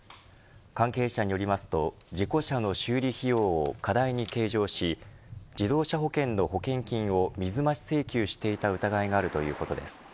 関係者によりますと事故車の修理費用を過大に計上し自動車保険の保険金を水増し請求していた疑いがあるということです。